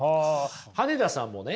羽根田さんもね